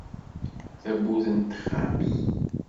Tawwurt n texxamt.